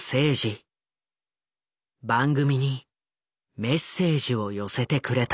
番組にメッセージを寄せてくれた。